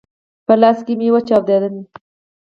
په لاس کي مي وچاودله !